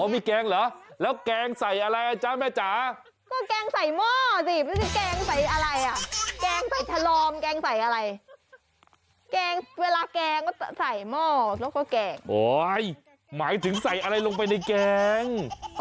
มีแกั้ง